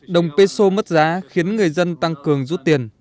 đồng peso mất giá khiến người dân tăng cường rút tiền